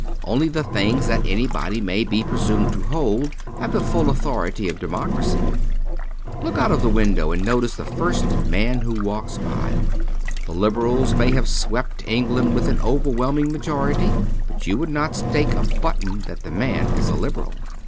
Only the things that anybody may be pre sumed to hold have the full authority of democracy. Look out of the window and notice the first man who walks by. The Liberals may have swept England with an overwhelming majority ; but you would not stake a button that the man is a Liberal.